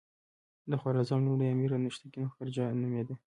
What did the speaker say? د خوارزم لومړی امیر انوشتګین غرجه نومېده.